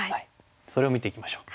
それを見ていきましょう。